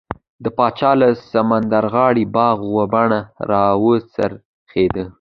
د پاچا له سمندرغاړې باغ و بڼه راوڅرخېدو.